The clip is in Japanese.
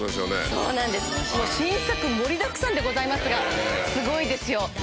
そうなんです新作盛りだくさんでございますがすごいですよ